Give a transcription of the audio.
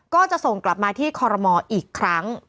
ก็จะส่งกลับมาที่คอรมออีกครั้ง